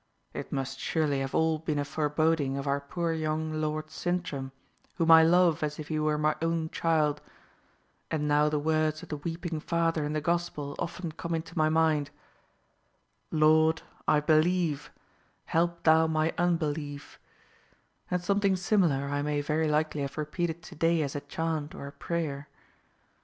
It must surely have all been a foreboding of our poor young Lord Sintram, whom I love as if he were my own child; and now the words of the weeping father in the Gospel often come into my mind, 'Lord, I believe; help Thou my unbelief;' and something similar I may very likely have repeated to day as a chant or a prayer.